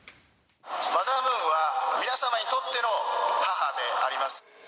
マザームーンは皆様にとっての母であります。